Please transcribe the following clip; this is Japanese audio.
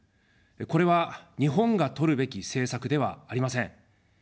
これは日本がとるべき政策ではありません。